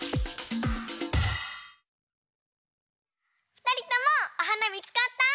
ふたりともおはなみつかった？